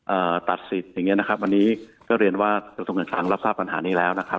ตัดสิทธิ์อย่างเงี้นะครับวันนี้ก็เรียนว่ากระทรวงการคลังรับทราบปัญหานี้แล้วนะครับ